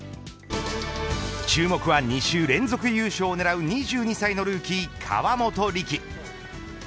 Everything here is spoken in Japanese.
注目は、２週連続優勝を狙う２２歳のルーキー、河本力。